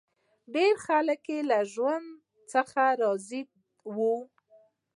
ډېری خلک له دې ژوند څخه راضي وو